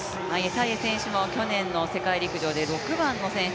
タイエ選手も去年の世界陸上で６位の選手。